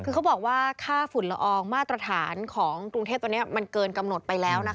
คือเขาบอกว่าค่าฝุ่นละอองมาตรฐานของกรุงเทพตอนนี้มันเกินกำหนดไปแล้วนะคะ